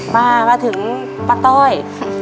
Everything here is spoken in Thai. มาถึงป้าต้อย